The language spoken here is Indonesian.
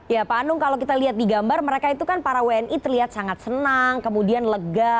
ya pak anung kalau kita lihat di gambar mereka itu kan para wni terlihat sangat senang kemudian lega